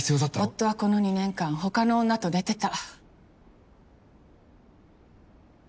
夫はこの２年間他の女と寝てた。